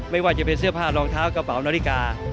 ไม่ว่าจะเป็นเสื้อผ้ารองเท้ากระเป๋านาฬิกา